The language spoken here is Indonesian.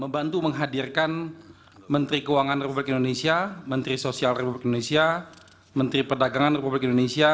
membantu menghadirkan menteri keuangan republik indonesia menteri sosial republik indonesia menteri perdagangan republik indonesia